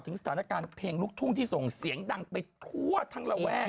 สถานการณ์เพลงลูกทุ่งที่ส่งเสียงดังไปทั่วทั้งระแวก